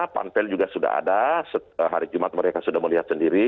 panpel juga sudah ada hari jumat mereka sudah melihat sendiri